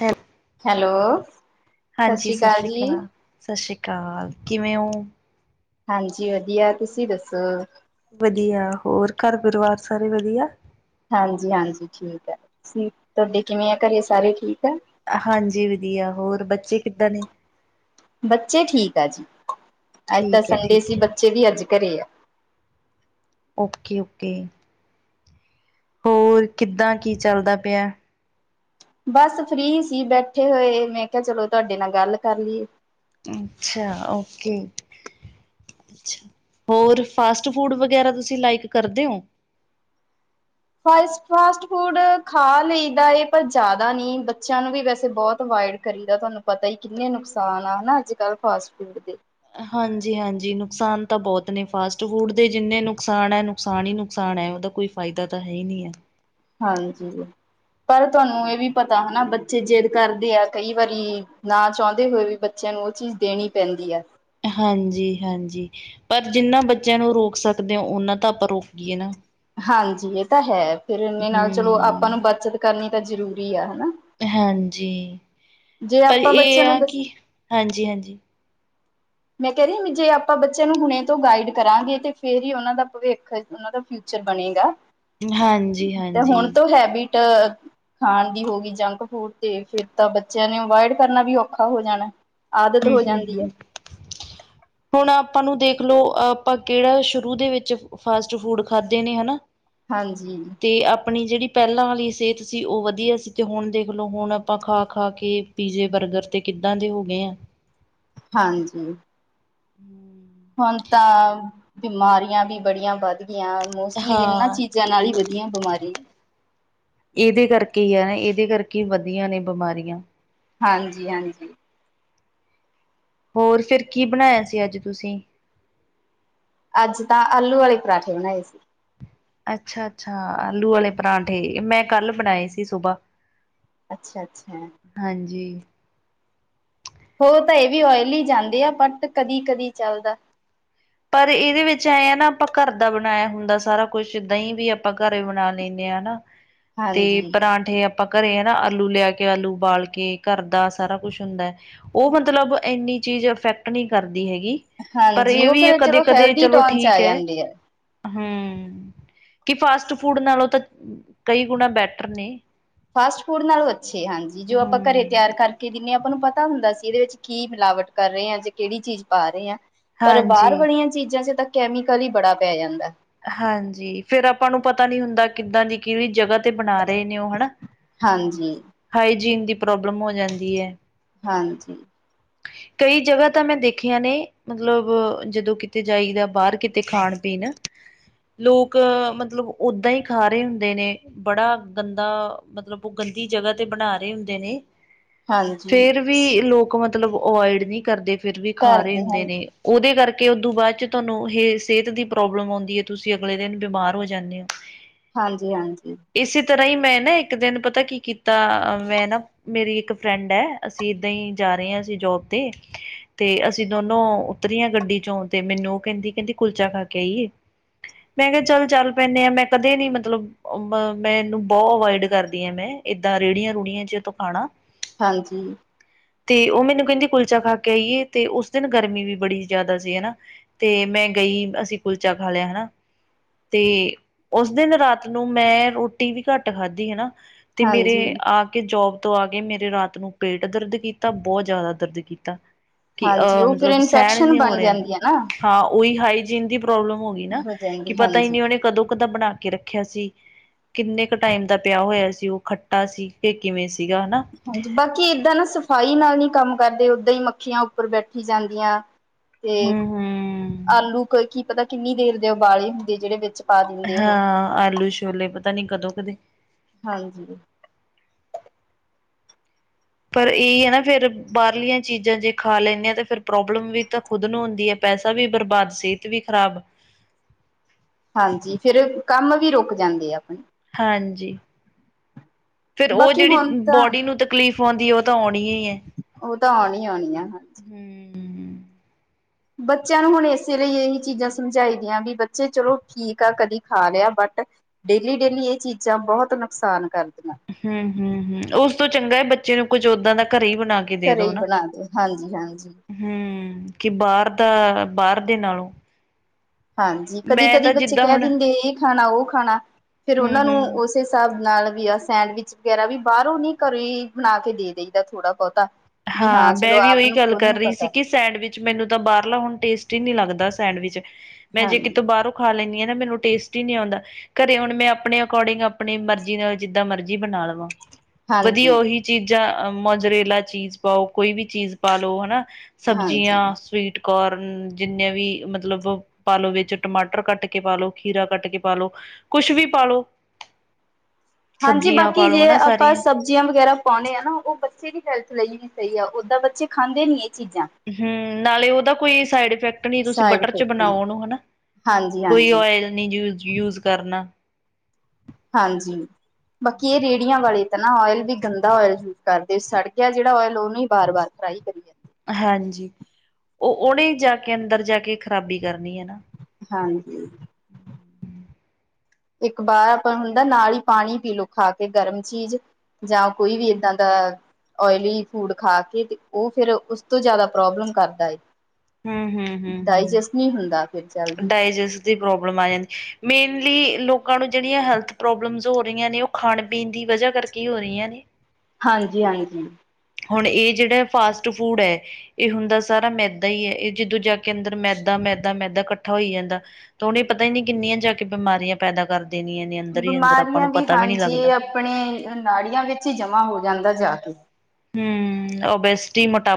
ਹੈ ਹੈਲੋ ਸਤਿ ਸ਼੍ਰੀ ਅਕਾਲ ਜੀ ਸਤਿ ਸ਼੍ਰੀ ਅਕਾਲ ਕਿਵੇਂ ਹੋ ਹਾਂਜੀ ਵਧੀਆ ਤੁਸੀਂ ਦੱਸੋ ਵਧੀਆ ਹੋਰ ਘਰ ਪਰਿਵਾਰ ਸਾਰੇ ਵਧੀਆ ਹਾਂਜੀ ਹਾਂਜੀ ਠੀਕ ਹੈ ਤੁਸੀਂ ਤੁਹਾਡੇ ਕਿਵੇਂ ਆ ਘਰੇ ਸਾਰੇ ਠੀਕ ਆ ਹਾਂਜੀ ਵਧੀਆ ਹੋਰ ਬੱਚੇ ਕਿੱਦਾਂ ਨੇ ਬੱਚੇ ਠੀਕ ਆ ਜੀ ਅੱਜ ਤਾਂ ਠੀਕ ਹੈ ਸੰਡੇ ਠੀਕ ਸੀ ਹੈ ਬੱਚੇ ਵੀ ਅੱਜ ਘਰੇ ਆ ਓਕੇ ਓਕੇ ਹੋਰ ਕਿੱਦਾਂ ਕੀ ਚੱਲਦਾ ਪਿਆ ਬਸ ਫਰੀ ਸੀ ਬੈਠੇ ਹੋਏ ਮੈਂ ਕਿਹਾ ਚਲੋ ਤੁਹਾਡੇ ਨਾਲ ਗੱਲ ਕਰ ਲਈਏ ਅੱਛਾ ਓਕੇ ਹੋਰ ਫਾਸਟ ਫੂੱਡ ਵਗੈਰਾ ਤੁਸੀਂ ਲਾਈਕ ਕਰਦੇ ਹੋ ਫਾਸਟ ਫਾਸਟ ਫੂਡ ਖਾ ਲਈਦਾ ਹੈ ਪਰ ਜ਼ਿਆਦਾ ਨਹੀਂ ਬੱਚਿਆਂ ਨੂੰ ਵੀ ਵੈਸੇ ਬਹੁਤ ਅਵਾਇਡ ਕਰੀਦਾ ਤੁਹਾਨੂੰ ਪਤਾ ਹੀ ਕਿੰਨੇ ਨੁਕਸਾਨ ਆ ਨਾ ਅੱਜ ਕੱਲ ਫਾਸਟ ਫੂਡ ਦੇ ਹਾਂਜੀ ਹਾਂਜੀ ਨੁਕਸਾਨ ਤਾਂ ਬਹੁਤ ਨੇ ਫਾਸਟ ਫੂੱਡ ਦੇ ਜਿੰਨੇ ਨੁਕਸਾਨ ਹੈ ਨੁਕਸਾਨ ਹੀ ਨੁਕਸਾਨ ਹੈ ਉਹਦਾ ਕੋਈ ਫਾਇਦਾ ਤਾਂ ਹੈ ਹੀ ਨਹੀਂ ਹੈ ਹਾਂਜੀ ਪਰ ਤੁਹਾਨੂੰ ਇਹ ਵੀ ਪਤਾ ਹਨਾ ਬੱਚੇ ਜਿੱਦ ਕਰਦੇ ਆ ਕਈ ਵਾਰੀ ਨਾ ਚਾਹੁੰਦੇ ਹੋਏ ਵੀ ਬੱਚਿਆਂ ਨੂੰ ਉਹ ਚੀਜ਼ ਦੇਣੀ ਪੈਂਦੀ ਹੈ ਹਾਂਜੀ ਹਾਂਜੀ ਪਰ ਜਿੰਨਾਂ ਬੱਚਿਆਂ ਨੂੰ ਰੋਕ ਸਕਦੇ ਹੋ ਉਹਨਾਂ ਤਾਂ ਆਪਾਂ ਰੋਕੀਏ ਨਾ ਹਾਂਜੀ ਇਹ ਤਾਂ ਹੈ ਫਿਰ ਇਹੇ ਨਾਲ ਚਲੋ ਆਪਾਂ ਹੂੰ, ਨੂੰ ਬੱਚਤ ਕਰਨੀ ਤਾਂ ਜ਼ਰੂਰੀ ਆ ਹਨਾ ਹਾਂਜੀ ਜੇ ਪਰ ਆਪਾਂ ਇਹ ਬੱਚਿਆਂ ਨੂੰ ਆ ਦੱਸ ਕਿ ਹਾਂਜੀ ਹਾਂਜੀ [inaudible] ਮੈਂ ਕਹਿ ਰਹੀ ਵੀ ਜੇ ਆਪਾਂ ਬੱਚਿਆਂ ਨੂੰ ਹੁਣੇ ਤੋਂ ਗਾਈਡ ਕਰਾਂਗੇ ਤੇ ਫਿਰ ਹੀ ਉਹਨਾਂ ਦਾ ਭਵਿੱਖ ਉਹਨਾਂ ਦਾ ਫਿਊਚਰ ਬਣੇਗਾ ਤੇ ਹੁਣ ਹਾਂਜੀ-ਹਾਂਜੀ। ਤੋਂ ਹੈਬਿਟ ਬੈਟ ਖਾਣ ਦੀ ਹੋ ਗਈ ਜੰਕ ਫੂਡ ਤੇ ਫਿਰ ਤਾਂ ਬੱਚਿਆਂ ਨੂੰ ਅਵਾਇਡ ਕਰਨਾ ਵੀ ਔਖਾ ਹੋ ਜਾਣਾ ਆਦਤ ਹੂ ਹੋ ਹੂ ਜਾਂਦੀ ਹੂ,,, [inaudible] ਹੁਣ ਆਪਾਂ ਨੂੰ ਦੇਖ ਲਓ ਆਪਾਂ ਕਿਹੜਾ ਸ਼ੁਰੂ ਦੇ ਵਿੱਚ ਫਾਸਟ ਫੂਡ ਖਾਦੇ ਨੇ ਹਨਾ ਹਾਂਜੀ ਤੇ ਆਪਣੀ ਜਿਹੜੀ ਪਹਿਲਾਂ ਵਾਲੀ ਸਿਹਤ ਸੀ ਉਹ ਵਧੀਆ ਸੀ ਅਤੇ ਹੁਣ ਦੇਖ ਲਓ ਹੁਣ ਆਪਾਂ ਖਾ ਖਾ ਕੇ ਪੀਜ਼ੇ ਬਰਗਰ ਤੇ ਕਿੱਦਾਂ ਦੇ ਹੋ ਗਏ ਆ ਹਾਂਜੀ ਹੂ,,, ਹੁਣ ਤਾਂ ਬਿਮਾਰੀਆਂ ਵੀ ਬੜੀਆਂ ਵੱਧ ਗਈਆਂ ਮੋਸਟਲੀ ਇਹਨਾਂ ਚੀਜ਼ਾਂ ਹਾਂ, ਚੀਜ਼ਾਂ ਨਾਲ ਹੀ ਵਧੀਆ ਬਿਮਾਰੀਆਂ ਇਹਦੇ ਕਰਕੇ ਹੀ ਹੈ ਨਾ ਇਹਦੇ ਕਰਕੇ ਵਧੀਆ ਨੇ ਬਿਮਾਰੀਆਂ ਹਾਂਜੀ ਹਾਂਜੀ ਹੋਰ ਫਿਰ ਕੀ ਬਣਾਇਆ ਸੀ ਅੱਜ ਤੁਸੀਂ ਅੱਜ ਤਾਂ ਆਲੂ ਵਾਲੇ ਪਰਾਂਠੇ ਬਣਾਏ ਸੀ ਅੱਛਾ ਅੱਛਾ ਆਲੂ ਵਾਲੇ ਪਰਾਂਠੇ ਮੈਂ ਕੱਲ ਬਣਾਏ ਸੀ ਸੁਬਾਹ ਅੱਛਾ ਅੱਛਾ ਹਾਂਜੀ ਹੋਰ ਤਾਂ ਇਹ ਵੀ ਓਇਲੀ ਹੀ ਜਾਂਦੇ ਆ ਬੱਟ ਕਦੀ ਕਦੀ ਚੱਲਦਾ ਪਰ ਇਹਦੇ ਵਿੱਚ ਐਂ ਆ ਨਾ ਆਪਾਂ ਘਰ ਦਾ ਬਣਾਇਆ ਹੁੰਦਾ ਸਾਰਾ ਕੁੱਛ ਦਹੀਂ ਵੀ ਆਪਾਂ ਘਰ ਬਣਾਦੇ ਹਨਾ ਤੇ ਹਾਂਜੀ ਪਰਾਂਠੇ ਆਪਾਂ ਘਰੇ ਹੈ ਨਾ ਆਲੂ ਲਿਆ ਕੇ ਆਲੂ ਉਬਾੱਲ ਕੇ ਘਰ ਦਾ ਸਾਰਾ ਕੁੱਛ ਹੁੰਦਾ ਹੈ ਉਹ ਮੱਤਲਬ ਇੰਨੀ ਚੀਜ਼ ਅਫੈਕਟ ਨਹੀਂ ਕਰਦੀ ਹੈਗੀ ਪਰ ਹਾਂਜੀ ਇਹ ਉਹ ਵੀ ਹੈ ਫਿਰ ਚਲੋ ਹੈਲਦੀ ਟੋਨ ਚ ਆ ਜਾਂਦੇ ਆ ਹਮ ਕੀ ਫਾਸਟ ਫੂਡ ਨਾਲੋਂ ਤਾਂ ਕਈ ਗੁਣਾ ਬੈਟਰ ਨੇ ਫਾਸਟ ਫੂਡ ਨਾਲੋਂ ਅੱਛੇ ਹਾਂਜੀ ਜੋ ਆਪਾਂ ਹੂੰ। ਘਰੇ ਤਿਆਰ ਕਰ ਜਿੰਨੇ ਆਪਾਂ ਨੂੰ ਪਤਾ ਹੁੰਦਾ ਸੀ ਇਹਦੇ ਵਿੱਚ ਕੀ ਮਿਲਾਵਟ ਕਰ ਰਹੇ ਆ ਜ ਕਿਹੜੀ ਚੀਜ਼ ਪਾ ਰਹੇ ਆ ਪਰ ਬਾਹਰ ਹਾਂਜੀ ਵਾਲੀਆਂ ਚੀਜ਼ਾਂ ਚ ਤਾਂ ਕੈਮੀਕਲ ਹੀ ਬੜਾ ਪੈ ਜਾਂਦਾ ਹਾਂਜੀ ਫਿਰ ਆਪਾਂ ਨੂੰ ਪਤਾ ਨੀ ਹੁੰਦਾ ਕਿੱਦਾਂ ਦੀ ਕਿਹੜੀ ਜਗ੍ਹਾ ਤੇ ਬਣਾ ਰਹੇ ਨੇ ਉਹ ਹਨਾ ਹਾਂਜੀ ਹਾਈਜੀਨ ਦੀ ਪ੍ਰੋਬਲਮ ਹੋ ਜਾਂਦੀ ਹੈ ਹਾਂਜੀ ਕਈ ਜਗ੍ਹਾ ਤਾਂ ਮੈਂ ਦੇਖੀਆਂ ਨੇ, ਮਤਲਬ, ਜਦੋਂ ਕਿਤੇ ਜਾਈਦਾ ਬਾਹਰ ਕਿਤੇ ਖਾਣ-ਪੀਣ, ਲੋਕ, ਮਤਲਬ ਓਦਾਂ ਹੀ ਖਾ ਰਹੇ ਹੁੰਦੇ ਨੇ। ਬੜਾ ਗੰਦਾ, ਮਤਲਬ ਉਹ ਗੰਦੀ ਜਗ੍ਹਾ ਤੇ ਬਣਾ ਰਹੇ ਹੁੰਦੇ ਨੇ, ਹਾਂਜੀ ਫਿਰ ਵੀ ਲੋਕ ਮਤਲਬ ਅਵੋਇਡ ਨਹੀਂ ਕਰਦੇ, ਫਿਰ ਵੀ ਖਾ ਘਰ ਰਹੇ ਦੇ ਹੁੰਦੇ ਹਾਂਜੀ ਨੇ। ਉਹਦੇ ਕਰਕੇ, ਉਦੋਂ ਬਾਅਦ ਚ ਤੁਹਾਨੂੰ ਇਹ ਸਿਹਤ ਦੀ ਪ੍ਰੌਬਲਮ, ਹੁੰਦੀ ਆ ਤੁਸੀਂ ਅਗਲੇ ਦਿਨ ਬਿਮਾਰ ਹੋ ਜਾਂਦੇ ਹੋ। ਹਾਂਜੀ ਹਾਂਜੀ! ਇਸੇ ਤਰ੍ਹਾਂ ਹੀ ਮੈਂ ਨਾ ਇੱਕ ਦਿਨ ਪਤਾ ਕੀ ਕੀਤਾ ਮੈਂ ਨਾ, ਮੇਰੀ ਇੱਕ ਫਰੈਂਡ ਹੈ ਅਸੀਂ ਏਦਾਂ ਹੀ ਜਾ ਰਹੇ ਹਾਂ ਅਸੀਂ ਜੋਬ ਤੇ, ਤੇ ਅਸੀਂ ਦੋਨੋ ਉੱਤਰੀਆਂ ਗੱਡੀ ਚੋਂ ਤੇ ਮੈਨੂੰ ਉਹ ਕਹਿੰਦੀ ਕਹਿੰਦੀ ਕੁਲਚਾ ਖਾ ਕੇ ਆਈਏ। ਮੈਂ ਕਿਹਾ ਚੱਲ, ਚੱਲ ਪੈਂਦੇ ਆ ਮੈਂ ਕਦੇ ਨੀ ਮਤਲਬ ਮੈਂ ਇਹਨੂੰ ਬਹੁਤ ਅਵੋਇਡ ਕਰਦੀ ਹਾਂ, ਮੈਂ ਏਦਾਂ ਰੇੜੀਆਂ ਰੂੜੀਆਂ ਜੇ ਤੋਂ ਖਾਣਾ, ਹਾਂਜੀ! ਤੇ ਉਹ ਮੈਨੂੰ ਕਹਿੰਦੀ ਕੁਲਚਾ ਖਾ ਕੇ ਆਈਏ, ਤੇ ਉਸ ਦਿਨ ਗਰਮੀ ਵੀ ਬੜੀ ਜ਼ਿਆਦਾ ਸੀ ਹੈ ਨਾ! ਤੇ ਮੈਂ ਗਈ ਅਸੀਂ ਕੁਲਚਾ ਖਾ ਲਿਆ ਹੈ ਨਾ! ਤੇ ਉਸ ਦਿਨ ਰਾਤ ਨੂੰ ਮੈਂ ਰੋਟੀ ਵੀ ਘੱਟ ਖਾਧੀ ਹੈ ਨਾ, ਤੇ ਮੇਰੇ ਹਾਂਜੀ ਆ, ਜੋਬ ਤੋਂ ਆ ਕੇ ਮੇਰੇ ਰਾਤ ਨੂੰ ਪੇਟ ਦਰਦ ਕੀਤਾ, ਬਹੁਤ ਜ਼ਿਆਦਾ ਦਰਦ ਕੀਤਾ। ਕਿ ਹਾਂਜੀ ਅਹ ਉਹ ਫਿਰ ਮਤਲਬ ਸਹਿਣ ਇਨਫੈਕਸ਼ਨ ਨਹੀਂ ਹੋ ਬਣ ਰਿਹਾ ਜਾਂਦੀ ਹੈ ਨਾ ਹਾਂ ਉਹੀ ਹਾਈਜੀਨ ਦੀ ਪ੍ਰੋਬਲਮ ਹੋ ਗਈ ਨਾ ਕਿ ਜਾਂਦੀ ਪਤਾ ਹੀ ਹਾਂਜੀ ਨਾ ਉਹਨੇ ਕਦੋਂ ਕਦਾਂ ਬਣਾ ਕੇ ਰੱਖਿਆ ਸੀ! ਕਿੰਨੇ ਕੁ ਟਾਈਮ ਦਾ ਪਿਆ ਹੋਇਆ ਸੀ ਉਹ ਖੱਟਾ ਸੀ ਕਿ ਕਿਵੇਂ ਸੀਗਾ ਹੈ ਨਾ! ਹਾਂਜੀ ਬਾਕੀ ਏਦਾਂ ਨਾ ਸਫ਼ਾਈ ਨਾਲ ਨਹੀਂ ਕੰਮ ਕਰਦੇ ਓਦਾਂ ਹੀ ਮੱਖੀਆਂ ਉੱਪਰ ਬੈਠੀ ਜਾਂਦੀਆਂ। ਤੇ, ਹੂੰ ਹੂੰ ਆਲੂ ਕੀ ਪਤਾ ਕਿੰਨੀ ਦੇਰ ਦੇ ਉਬਾਲੇ ਹੁੰਦੇ ਜਿਹੜੇ ਵਿੱਚ, ਪਾ ਦਿੰਦੇ ਉਹ ਹਾਂ ਆਲੂ ਛੋਲੇ ਪਤਾ ਨੀ ਕਦੋਂ, ਕਦੇ ਹਾਂਜੀ! ਪਰ ਇਹ ਹੈ ਨਾ ਫੇਰ ਬਾਹਰਲੀਆਂ ਚੀਜ਼ਾਂ ਜੇ ਖਾ ਲੈਂਦੇ ਆ ਤੇ ਫਿਰ ਪ੍ਰੋਬਲਮ ਵੀ ਤਾਂ, ਖੁਦ ਨੂੰ ਹੁੰਦੀ ਹੈ ਪੈਸਾ ਵੀ ਬਰਬਾਦ ਸਿਹਤ ਵੀ ਖ਼ਰਾਬ। ਹਾਂਜੀ! ਫਿਰ ਕੰਮ ਵੀ ਰੁਕ ਜਾਂਦੇ ਆ ਆਪਣੇ। ਹਾਂਜੀ! ਫਿਰ ਉਹ ਬਾਕੀ ਜਿਹੜੀ ਹੁਣ ਤਾਂ ਬੋਡੀ ਨੂੰ ਤਕਲੀਫ਼ ਆਉਂਦੀ ਉਹ ਤਾਂ ਆਉਣੀ ਹੀ ਹੈ। ਉਹ ਤਾਂ ਆਉਣੀ ਆਉਣੀ ਆ ਹਾਂ ਜੀ! ਹਮ ਬੱਚਿਆਂ ਨੂੰ ਹੁਣ ਇਸੇ ਲਈ ਇਹੀ ਚੀਜ਼ਾਂ ਸਮਝਾਈ ਦੀਆਂ ਵੀ ਬੱਚੇ ਚਲੋ ਠੀਕ ਆ ਕਦੀ ਖਾ ਲਿਆ ਬਟ! ਡੇਲੀ- ਡੇਲੀ ਇਹ ਚੀਜ਼ਾਂ ਬਹੁਤ ਨੁਕਸਾਨ ਕਰਦੀਆਂ। ਹੁੰ ਹੁੰ ਹੁੰ ਉਸ ਤੋਂ ਚੰਗਾ ਹੈ ਬੱਚੇ ਨੂੰ ਕੁਝ ਉਦਾ ਦਾ ਘਰ ਹੀ ਬਣਾ ਕੇ, ਘਰੇ ਹੀ ਬਣਾ ਦਿ ਹਾਂਜੀ -, ਹੁੰ! ਕਿ ਬਾਹਰ ਦਾ, ਬਾਹਰ ਦੇ ਨਾਲੋਂ ਹਾਂਜੀ ਕਦੇ- ਮੈਂ ਕਦੇ ਤਾਂ ਬੱਚੇ ਜਿੱਦਾਂ ਕਹਿ ਹੁਣ ਦਿੰਦੇ ਇਹ ਖਾਣਾ ਉਹ ਖਾਣਾ ਫੇਰ ਹਮ ਉਹਨਾਂ ਨੂੰ ਹਮ ਉਸੇ ਹਿਸਾਬ ਨਾਲ ਵੀ ਆ ਸੈਂਡਵਿਚ ਵਗੈਰਾ ਵੀ ਬਾਹਰੋਂ ਨੀ ਘਰੋਂ ਹੀ ਬਣਾ ਕੇ ਦੇ ਦੇਈਦਾ ਥੋੜਾ ਬਹੁਤਾ। ਵੀ ਹਾਂ ਚਲੋ ਮੈਂ ਵੀ ਆਪ ਉਹੀ ਨੂੰ ਗੱਲ ਖੁਦ ਕਰ ਨੂੰ ਰਹੀ ਸੀ ਪਤਾ ਕਿ! ਸੈਂਡਵਿਚ ਮੈਨੂੰ ਤਾਂ ਬਾਹਰਲਾ ਹੁਣ ਟੇਸਟੀ ਹੀ ਨੀ ਲੱਗਦਾ, ਸੈਂਡਵਿਚ ਮੈਂ ਜੇ ਹਾਂਜੀ ਕਿਤੋਂ ਬਾਹਰੋਂ, ਖਾ ਲੈਂਦੀ ਹਾਂ ਨਾ, ਮੈਨੂੰ ਟੇਸਟ ਹੀ ਨੀ ਆਉਂਦਾ। ਘਰੇ ਹੁਣ ਮੈਂ ਆਪਣੇ ਅਕੋਰਡਿੰਗ ਆਪਣੀ ਮਰਜ਼ੀ ਨਾਲ ਜਿੱਦਾਂ ਮਰਜ਼ੀ ਬਣਾ ਲਵਾਂ। ਵਧੀਆ ਹਾਂਜੀ ਉਹੀ ਚੀਜ਼ਾਂ ਮਜਰੇਲਾ ਚੀਜ਼ ਪਾਓ ਕੋਈ ਵੀ ਚੀਜ਼ ਪਾ ਲਓ ਹੈ ਨਾ! ਹਾਂਜੀ ਸਬਜ਼ੀਆਂ, ਸਵੀਟ ਕੋਰਨ, ਜਿੰਨੀਆਂ ਵੀ ਮਤਲਬ! ਪਾ ਲੋ ਵਿੱਚ, ਟਮਾਟਰ ਕੱਟ ਕੇ ਪਾ ਲੋ ਖੀਰਾ ਕੱਟ ਕੇ ਪਾ ਲੋ ਕੁਛ ਵੀ ਪਾ ਲੋ, ਹਾਂਜੀ! ਬਾਕੀ ਜੇ ਹਨਾ ਆਪਾਂ ਸਾਰੀਆਂ ਸਭ ਸਬਜ਼ੀਆਂ ਵਗੈਰਾ ਪਾਉਂਣੇ ਹੈ ਨਾ, ਉਹ ਬੱਚੇ ਦੀ ਹੈਲਥ ਲਈ ਵੀ ਸਹੀ ਆ, ਓਦਾਂ ਬੱਚੇ ਖਾਂਦੇ ਨੀ ਇਹ ਚੀਜ਼ਾਂ ਹੁੰ ਨਾਲੇ ਉਹ ਦਾ ਕੋਈ ਸਾਈਡ ਇਫੈਕਟ ਨਹੀਂ, ਤੁਸੀਂ ਸਾਈਡ ਬਟਰ ਚ ਇਫੈਕਟ ਨੇ ਬਣਾਓ ਉਹਨੂੰ ਹੈ ਨਾ! ਹਾਂਜੀ ਹਾਂਜੀ। ਫਿਰ ਆਇਲ ਯੂਜ ਕਰਨਾ। ਹਾਂਜੀ। ਬਾਕੀ ਇਹ ਰੇਹੜੀਆਂ ਵਾਲੇ ਤਾਂ ਨਾ ਓਇਲ ਵੀ ਗੰਦਾ ਇਲ ਯੂਜ ਕਰਦੇ ਸੜ ਕ ਗਿਆ ਜਿਹੜਾ ਓਇਲ ਉਹਨੂੰ ਹੀ ਬਾਰ ਵਾਰ ਫਰਾਈ ਕਰੀਏ ਹਾਂਜੀ ਉਹ ਉਹਨੇ ਜਾ ਕੇ ਅੰਦਰ ਜਾ ਕੇ ਖ਼ਰਾਬੀ ਕਰਨੀ ਹੈ ਨਾ ਹਾਂਜੀ ਇੱਕ ਵਾਰ ਆਪਾਂ ਹੁੰਦਾ ਨਾਲ ਹੀ ਪਾਣੀ ਪੀਲਓ ਖਾ ਕੇ ਗਰਮ ਚੀਜ਼ ਜਾਂ ਕੋਈ ਵੀ ਇਦਾਂ ਦਾ ਓਇਲੀ ਫੂਡ ਖਾ ਕੇ ਉਹ ਫਿਰ ਉਸ ਤੋਂ ਜ਼ਿਆਦਾ ਪ੍ਰੋਬਲਮ ਕਰਦਾ ਹੈ ਹੂੰ ਹੂੰ ਹੂੰ ਡਾਇਜਸਟ ਹੂੰ ਨਹੀਂ ਹੁੰਦਾ ਫਿਰ ਜਲਦੀ ਡਾਇਜੈਸਟ ਦੀ ਪ੍ਰੋਬਲਮ ਆ ਜਾਂਦੀ ਮੇਨਲੀ ਲੋਕਾਂ ਨੂੰ ਜਿਹੜੀਆਂ ਹੈਲਥ ਪ੍ਰੋਬਲਮਸ ਹੋ ਰਹੀਆਂ ਨੇ ਉਹ ਖਾਣ ਪੀਣ ਦੀ ਵਜ੍ਹਾ ਕਰਕੇ ਹੋ ਰਹੀਆਂ ਨੇ ਹਾਂਜੀ ਹਾਂਜੀ ਹੁਣ ਇਹ ਜਿਹੜਾ ਫਾਸਟ ਫੂਡ ਹੈ ਇਹ ਹੁੰਦਾ ਸਾਰਾ ਮੈਦਾ ਹੀ ਹੈ ਇਹ ਜਦੋਂ ਜਾ ਕੇ ਅੰਦਰ ਮੈਦਾ ਮੈਦਾ ਮੈਦਾ ਇਕੱਠਾ ਹੋਈ ਜਾਂਦਾ ਤਾਂ ਉਹਨੇ ਪਤਾ ਹੀ ਨਹੀਂੀ ਕਿੰਨੀਆਂ ਜਾ ਕੇ ਬਿਮਾਰੀਆਂ ਪੈਦਾ ਕਰ ਦੇਣੀਆਂ ਨੇ ਅੰਦਰ ਹੀ ਅੰਦਰ ਆਪਾਂ ਬਿਮਾਰੀਆਂ ਨੂੰ ਪਤਾ ਵੀ ਨਹੀਂ ਹਾਂਜੀ ਲੱਗਦਾ ਇਹ ਆਪਣੇ ਨਾੜੀਆਂ ਵਿੱਚ ਹੀ ਜਮਾਂ ਹੋ ਜਾਂਦਾ ਜਾ ਕੇ ਹਮ ਉਹ ਬੈਸਟੀ ਮੋਟਾ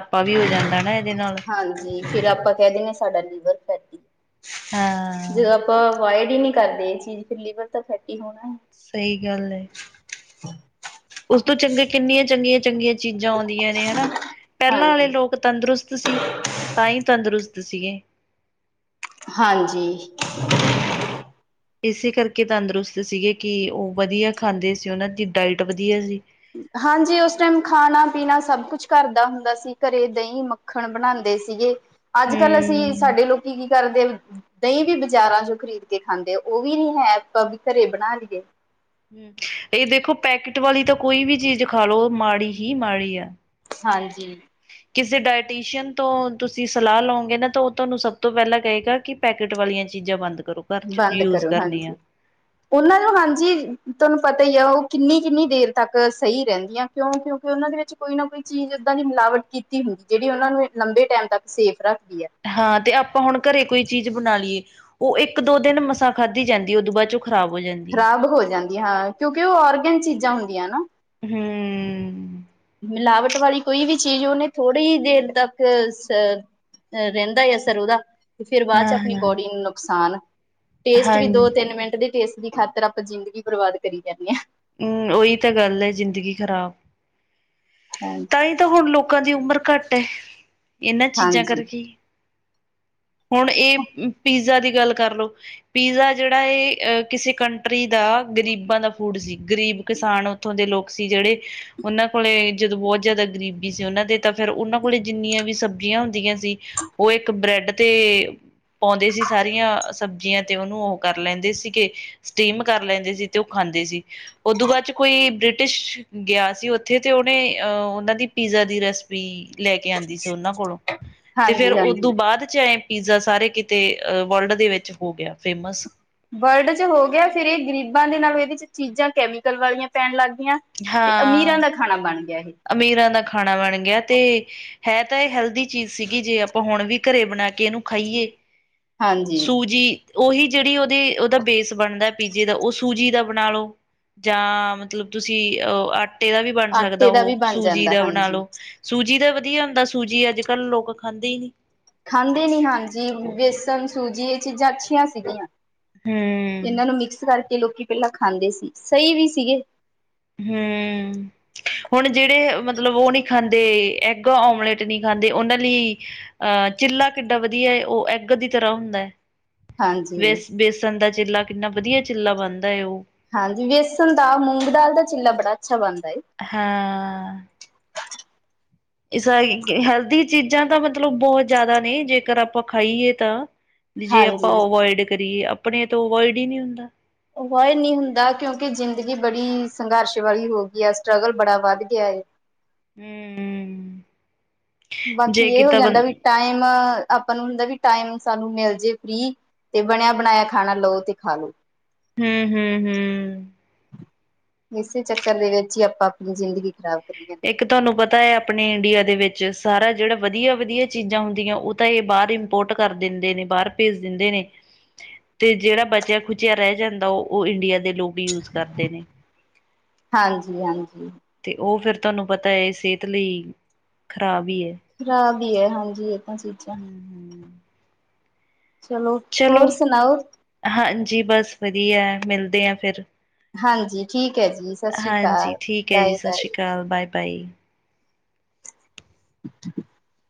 ਹਾਂਜੀ ਫਿਰ ਆਪਾਂ ਕਹਿ ਦਿੰਦੇ ਹਾਂ ਸਾਡਾ ਲੀਵਰ ਫੈਟੀ ਹਾਂ ਜਦੋਂ ਆਪਾਂ ਅਵੋਇਡ ਹੀ ਨਹੀਂ ਕਰਦੇ ਇਹ ਚੀਜ਼ ਫਿਰ ਲੀਵਰ ਤਾਂ ਫੈਟੀ ਹੋਣਾ ਹੈ ਸਹੀ ਗੱਲ ਹੈ ਹਾਂ ਉਸ ਤੋਂ ਚੰਗੇ ਕਿੰਨੀਆਂ ਚੰਗੀਆਂ ਚੰਗੀਆਂ ਚੀਜ਼ਾਂ ਆਉਂਦੀਆਂ ਨੇ ਹਨਾ ਪਹਿਲਾਂ ਵਾਲੇ ਹਾਂਜੀ ਲੋਕ ਤੰਦਰੁਸਤ ਸੀ ਤਾਂ ਹੀ ਤੰਦਰੁਸਤ ਸੀਗੇ ਹਾਂਜੀ ਇਸੇ ਕਰਕੇ ਤੰਦਰੁਸਤ ਸੀਗੇ ਕਿ ਉਹ ਵਧੀਆ ਖਾਂਦੇ ਸੀ ਉਹਨਾਂ ਦੀ ਡਾਇਟ ਵਧੀਆ ਸੀ ਹਾਂਜੀ ਉਸ ਟਾਈਮ ਖਾਣਾ ਪੀਣਾ ਸਭ ਕੁਛ ਘਰ ਦਾ ਹੁੰਦਾ ਸੀ ਘਰੇ ਦਹੀਂ ਮੱਖਣ ਬਣਾਉਂਦੇ ਸੀਗੇ ਅੱਜ ਕੱਲ੍ਹ ਅਸੀਂ ਹੂੰ ਸਾਡੇ ਲੋਕੀ ਕੀ ਕਰਦੇ ਦਹੀਂ ਵੀ ਬਜ਼ਾਰਾਂ ਚ ਖਰੀਦ ਕੇ ਖਾਂਦੇ ਉਹ ਵੀ ਨੀ ਹੈ ਆਪਾਂ ਵੀ ਘਰੇ ਬਣਾ ਲਈਏ ਹਮ ਇਹ ਦੇਖੋ ਪੈਕਟ ਵਾਲੀ ਤਾਂ ਕੋਈ ਵੀ ਚੀਜ਼ ਖਾ ਲੋ ਮਾੜੀ ਹੀ ਮਾੜੀ ਆ ਹਾਂਜੀ ਕਿਸੇ ਡਾਇਟੀਸ਼ੀਅਨ ਤੋਂ ਤੁਸੀਂ ਸਲਾਹ ਲਓਗੇ ਨਾ ਤਾਂ ਉਹ ਤੁਹਾਨੂੰ ਸਭ ਤੋਂ ਪਹਿਲਾਂ ਕਹੇਗਾ ਕਿ ਪੈਕਟ ਵਾਲੀਆਂ ਚੀਜ਼ਾਂ ਬੰਦ ਕਰੋ ਘਰ ਚ ਬੰਦ ਯੂਜ ਕਰੋ ਕਰਨੀਆਂ ਹਾਂਜੀ ਉਹਨਾਂ ਨੂੰ ਹਾਂਜੀ ਤੁਹਾਨੂੰ ਪਤਾ ਹੀ ਆ ਉਹ ਕਿੰਨੀ ਕਿੰਨੀ ਦੇਰ ਤੱਕ ਸਹੀ ਰਹਿੰਦੀਆਂ ਕਿਉਂ ਕਿਉਂਕਿ ਉਹਨਾਂ ਦੇ ਵਿੱਚ ਕੋਈ ਨਾ ਕੋਈ ਚੀਜ਼ ਦਾਂ ਦੀ ਮਿਲਾਵਟ ਕੀਤੀ ਹੁੰਦੀ ਜਿਹੜੀ ਉਹਨਾਂ ਨੂੰ ਲੰਬੇ ਟਾਈਮ ਤੱਕ ਸੇਫ ਰੱਖਦੀ ਹੈ ਹਾਂ ਤੇ ਆਪਾਂ ਹੁਣ ਘਰੇ ਕੋਈ ਚੀਜ਼ ਬਣਾ ਲਈਏ ਉਹ ਇੱਕ ਦੋ ਦਿਨ ਮਸਾਂ ਖਾਧੀ ਜਾਂਦੀ ਉਦੋਂ ਬਾਅਦ ਚ ਉਹ ਖਰਾ ਹੋ ਜਾਂਦੀ ਹੈ ਖ਼ਰਾਬ ਹੋ ਜਾਂਦੀਆਂ ਹਾਂ ਕਿਉਂਕਿ ਉਹ ਔਰਗੈਨਿਕ ਚੀਜ਼ਾਂ ਹੁੰਦੀਆਂ ਨਾ ਹਮ ਮਿਲਾਵਟ ਵਾਲੀ ਕੋਈ ਵੀ ਚੀਜ਼ ਉਹਨੇ ਥੋੜ੍ਹੀ ਹੀ ਦੇਰ ਤੱਕ ਅ ਰਹਿੰਦਾ ਆ ਸਰ ਉਹਦਾ ਤੇ ਫਿਰ ਬਾਅਦ ਚ ਹਾਂ ਆਪਣੀ ਹਾਂ ਬੋਡੀ ਨੂੰ ਨੁਕਸਾਨ ਟੇਸਟ ਹਾਂ ਵੀ ਦੋ ਤਿੰਨ ਮਿੰਟ ਦੇ ਟੇਸਟ ਦੀ ਖਾਤਰ ਆਪਾਂ ਜ਼ਿੰਦਗੀ ਬਰਬਾਦ ਕਰੀ ਜਾਂਦੇ ਹਾਂ ਹਮ ਉਹੀ ਤਾਂ ਗੱਲ ਹੈ ਜ਼ਿੰਦਗੀ ਖ਼ਰਾਬ ਹਾਂ ਹਾਂਜੀ ਤਾਂ ਹੀ ਤਾਂ ਹੁਣ ਲੋਕਾਂ ਦੀ ਉਮਰ ਘੱਟ ਇਹਨਾਂ ਚੀਜ਼ਾਂ ਹਾਂਜੀ ਕਰਕੇ ਹੁਣ ਇਹ ਪੀਜ਼ਾ ਦੀ ਗੱਲ ਕਰਲੋ ਪੀਜ਼ਾ ਜਿਹੜਾ ਇਹ ਅਹ ਕਿਸੇ ਕੰਟਰੀ ਦਾ ਗ਼ਰੀਬਾਂ ਦਾ ਫੂਡ ਸੀ ਗਰੀਬ ਕਿਸਾਨ ਉੱਥੋਂ ਦੇ ਲੋਕ ਸੀ ਜਿਹੜੇ ਉਹਨਾਂ ਕੋਲੇ ਜਦੋਂ ਬੌਤ ਜੈਦਾ ਗਰੀਬੀ ਸੀ ਓਹਨਾਂ ਦੇ ਤਾਂ ਫੇਰ ਓਨਾਂ ਕੋਲ ਜਿੰਨੀਆਂ ਵੀ ਸਬਜ਼ੀਆਂ ਹੁੰਦੀਆਂ ਸੀ। ਔ ਇੱਕ ਬ੍ਰੈਡ ਤੇ ਪੌੰਦੇ ਸੀ ਸਾਰੀਆਂ ਸਬਜ਼ੀਆਂ ਤੇ ਓਹਨੂੰ ਓਹ ਕਰ ਲੈਂਦੇ ਸੀਗੇ। ਸਟੀਮ ਕਰ ਲੈਂਦੇ ਸੀ ਤੇ ਓਹ ਖਾਂਦੇ ਸੀ। ਉਦੋਂ ਬਾਦ ਚ ਕੋਈ ਬ੍ਰਿਟਿਸ਼ ਗਿਆ ਸੀ ਔਥੇ ਤੇ ਔ ਣੇ ਅਹ ਓਹਨਾਂ ਦੀ ਪੀਜ਼ਾ ਦੀ ਰੈਸਪੀ ਲੈ ਕੇ ਆੰਦੀ ਸੀ ਓਹਨਾਂ ਕੋਲੋਂ ਤੇ ਫੇਰ ਹਾਂਜੀ ਉਦੋਂ ਹਾਂਜੀ ਬਾਦ ਚ ਏ ਪੀਜ਼ਾ ਸਾਰੇ ਕਿਤੇ ਵਰਲਡ ਦੇ ਵਿੱਚ ਹੋ ਗਿਆ ਫੇਮਸ। ਵਰਲਡ ਚ ਹੋ ਗਿਆ ਫਿਰ ਏ ਗ਼ਰੀਬਾਂ ਦੇ ਨਾਲ ਏਦੇ ਚ ਚੀਜ਼ਾਂ ਕੈਮੀਕਲ ਵਾਲੀਆਂ ਪੈਣ ਲੱਗ ਗੀਆਂ। ਤੇ ਅਮੀਰਾਂ ਹਾਂ। ਦਾ ਖਾਣਾ ਬਣ ਗਿਆ, ਏਹ। ਅਮੀਰਾਂ ਦਾ ਖਾਣਾ ਬਣ ਗਿਆ। ਤੇ ਹੈ ਤਾਂ ਏਹ ਹੈਲਦੀ ਚੀਜ਼ ਸੀਗੀ ਜੇ ਅਪਾਂ ਹੁਣ ਵੀ ਘਰੇ ਬਣਾ ਕੇ ਏਨੂੰ ਖਾਈਏ। ਹਾਂਜੀ। ਸੂਜੀ ਓਹੀ ਜੇੜੀ ਔਦੀ ਔਦਾ ਬੇਸ ਬਣਦੈ ਪੀਜੇ ਦਾ ਔ ਸੂਜੀ ਦਾ ਬਣਾ ਲੋ। ਜਾਂ ਮਤਲਬ ਤੁਸੀਂ ਅਹ ਆਟੇ ਦਾ ਵੀ ਬਣ ਸਕਦੈ ਆਟੇ ਦਾ ਵੀ ਓਹ ਬਣ ਸੂਜੀ ਜਾਂਦਾ ਦਾ ਬਣਾ ਹਾਂਜੀ। ਲੋ। ਸੂਜੀ ਦਾ ਵਧੀਆ ਹੁੰਦਾ ਸੂਜੀ ਅੱਜ-ਕੱਲ ਲੋਕ ਖਾਂਦੇ ਹੀ ਨੀ। ਖਾਂਦੇ ਨੀ ਹਾਂਜੀ ਬੇਸਨ, ਸੂਜੀ ਏਹ ਚੀਜ਼ਾਂ ਅੱਛੀਆਂ ਸੀਗੀਆਂ। ਹੂੰ। ਏਨਾਂ ਨੂੰ ਮਿਕਸ ਕਰਕੇ ਲੋਕੀ ਪੈਲਾਂ ਖਾਂਦੇ ਸੀ, ਸਹੀ ਵੀ ਸੀਗੇ। ਹੂੰ। ਹੁਣ ਜੇੜੇ ਮਤਲਬ ਓਹ ਨੀ ਖਾਂਦੇ ਐਗ ਔਮਲੇਟ ਨੀ ਖਾਂਦੇ, ਔਹਨਾਂ ਲੀ ਅਹ ਚਿੱਲਾ ਕਿੱਡਾ ਵਧੀਆ ਏ, ਓਹ ਐਗ ਦੀ ਤਰ੍ਹਾਂ ਹੁੰਦੈ। ਹਾਂਜੀ। ਵੇਸ ਬੇਸਣ ਦਾ ਚਿੱਲਾ ਕਿੰਨਾ ਵਧੀਆ ਚਿੱਲਾ ਬਣਦਾ ਏ ਔ। ਹਾਂਜੀ, ਵੇਸਣ ਦਾ ਮੂੰਗ ਦਾਲ ਦਾ ਚਿੱਲਾ ਬੜਾ ਅੱਛਾ ਬਣਦਾ ਏ। ਹਾਂ। ਏ ਸਾਗੀ ਕੇ ਹੈਲਦੀ ਚੀਜ਼ਾਂ ਤਾਂ ਮਤਲਬ ਬੌਤ ਜੈਦਾ ਨੇ ਜੇਕਰ ਆਪਾਂ ਖਾਈਏ ਤਾਂ। ਵੀ ਜੇ ਆਪਾਂ ਹਾਂਜੀ। ਅਵੋਇਡ ਕਰੀਏ ਅਪਣੇ ਤੋਂ ਅਵੋਇਡ ਹੀ ਨੀ ਹੁੰਦਾ। ਅਵੋਈ ਨੀ ਹੁੰਦਾ ਕਿਉਂਕਿ ਜ਼ਿੰਦਗੀ ਬੜੀ ਸੰਘਰਸ਼ ਵਾਲੀ ਹੋ ਗੀ ਆ, ਸਟਰਗਲ ਬੜਾ ਵੱਧ ਗਿਆ ਏ‌। ਹੂੰ। ਜੇ ਬਾਕੀ ਏਹ ਹੋ ਕੀਤਾ ਬੰ ਜਾਂਦਾ ਵੀ ਟਾਈਮ ਆਪਾਂ ਨੂੰ ਹੁੰਦਾ ਵੀ ਟਾਈਮ ਸਾਨੂੰ ਮਿਲ ਜੇ ਫਰੀ। ਤੇ ਬਣਿਆ ਬਣਾਇਆ ਖਾਣਾ ਲਓ ਤੇ ਖਾਲੋ। ਹੂੰ ਹੂੰ ਹੂੰ। ਏਸੇ ਚੱਕਰ ਦੇ ਵਿੱਚ ਹੀ ਆਪਾਂ ਅਪਣੀ ਜ਼ਿੰਦਗੀ ਖ਼ਰਾਬ ਕਰੀ ਜਾ ਇੱਕ ਤੁਹਾਨੂੰ ਪਤਾ ਹੈ ਆਪਣੇ ਇੰਡੀਆ ਦੇ ਵਿੱਚ ਸਾਰਾ ਜੇੜਾ ਵਧੀਆ-ਵਧੀਆ ਚੀਜ਼ਾਂ ਹੁੰਦੀਆਂ ਔ ਤਾਂ ਏ ਬਾਰ ਇੰਪੋਰਟ ਕਰ ਦੇੰਦੇ ਨੇ ਬਾਰ ਭੇਜ ਦਿੰਦੇ ਨੇ। ਤੇ ਜੇੜਾ ਬਚਿਆ ਖੁਚਿਆ ਰੈ ਜਾਂਦਾ, ਓਹ ਇੰਡੀਆ ਦੇ ਲੋਗ ਯੂਜ ਕਰਦੇ ਨੇ। ਹਾਂਜੀ ਹਾਂਜੀ। ਅਤੇ ਓਹ ਫੇਰ ਤੁਹਾਨੂੰ ਪਤਾ ਏ ਸੇਤ ਲਈ ਖਰਾਬ ਹੀ ਐ। ਖਰਾਬ ਹੀ ਐ, ਹਾਂਜੀ ਏਹ ਤਾਂ ਚੀਜ਼ਾਂ। ਚਲੋ। ਚਲੋ, ਹੋਰ ਸੁਣਾਓ ਹਾਂਜੀ ਬਸ ਵਧੀਐ, ਮਿਲਦੇ ਹਾ ਫੇਰ। ਹਾਂਜੀ, ਠੀਕ ਹੈ ਜੀ। ਸਤਿ ਸ੍ਰੀ ਹਾਂਜੀ, ਅਕਾਲ ਠੀਕ ਹੈ, ਜੀ ਬਾਏ ਸਤ ਬਾਏ ਸ਼੍ਰੀ ਕਾਲ, ਬਾਏ-ਬਾਏ। [inaudible]